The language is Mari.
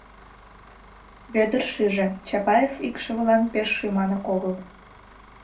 Вӧдыр шиже: Чапаев икшывылан пеш шӱманак огыл.